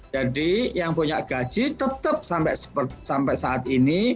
jadi yang punya gaji tetap sampai saat ini